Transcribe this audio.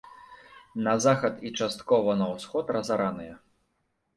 На захад і часткова на ўсход разараныя.